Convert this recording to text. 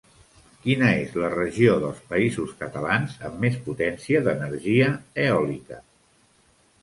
Quina és la regió dels Països Catalans amb més potència d'energia eòlica?